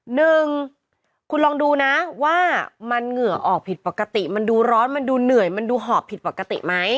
หนึ่งคุณลองดูนะว่ามันเหงื่อออกผิดปกติมันดูร้อนมันดูเหนื่อยมันดูหอบผิดปกติไหม